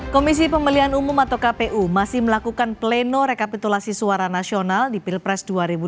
komisi pemilihan umum atau kpu masih melakukan pleno rekapitulasi suara nasional di pilpres dua ribu dua puluh